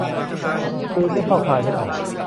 กลืนไม่เข้าคายไม่ออก